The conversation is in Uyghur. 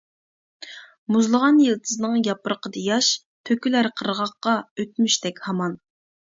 مۇزلىغان يىلتىزنىڭ ياپرىقىدا ياش، تۆكۈلەر قىرغاققا ئۆتمۈشتەك ھامان.